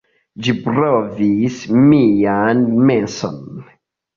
Ĝi blovis mian menson.